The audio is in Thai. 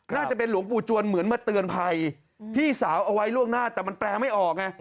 น่าจะเป็นหลวงปู่จวนเหมือนมาเตือนภัยพี่สาวเอาไว้ล่วงหน้าแต่มันแปลไม่ออกไง